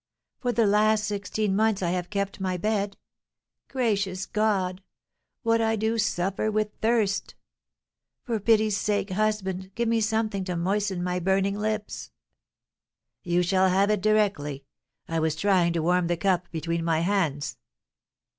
For the last sixteen months I have kept my bed! Gracious God! what I do suffer with thirst! For pity's sake, husband, give me something to moisten my burning lips!" "You shall have it directly; I was trying to warm the cup between my hands."